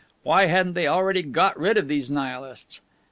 Why hadn't they already got rid of these Nihilists?